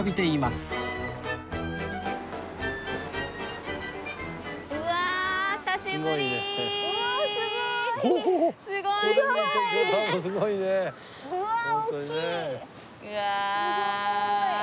すごーい！